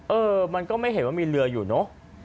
เออมันก็ไม่เห็นว่ามีเรืออยู่เนอะ